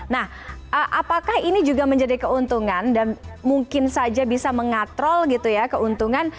nah apakah ini juga menjadi keuntungan dan mungkin saja bisa mengatrol gitu ya keuntungan